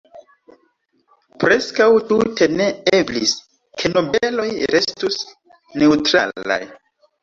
Preskaŭ tute ne eblis ke nobeloj restus neŭtralaj.